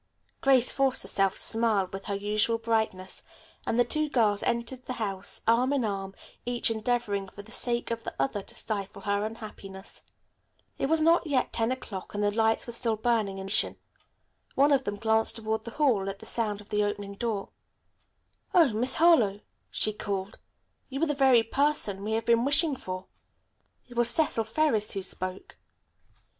Grace forced herself to smile with her usual brightness, and the two girls entered the house arm in arm, each endeavoring, for the sake of the other to stifle her unhappiness. It was not yet ten o'clock and the lights were still burning in the living room. Gathered about the library table were six girls, deep in conversation. One of them glanced toward the hall at the sound of the opening door. "Oh, Miss Harlowe," she called, "You are the very person we have been wishing for." It was Cecil Ferris who spoke.